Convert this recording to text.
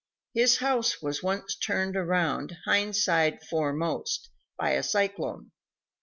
His house was once turned around, hind side foremost, by a cyclone.